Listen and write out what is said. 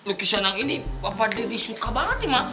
lukisan yang ini bapak deddy suka banget ya mak